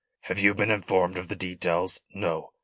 "Have you been informed of the details? No?